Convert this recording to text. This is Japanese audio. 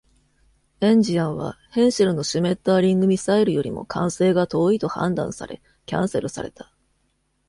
「エンジアン」は、ヘンシェルの「シュメッターリング」ミサイルよりも完成が遠いと判断され、キャンセルされた。